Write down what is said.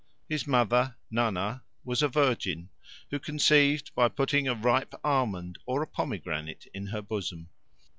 His mother, Nana, was a virgin, who conceived by putting a ripe almond or a pomegranate in her bosom.